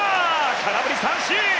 空振り三振！